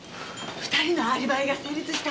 ２人のアリバイが成立した？